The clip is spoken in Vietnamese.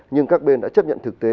nhưng các bên đã chấp nhận thực tế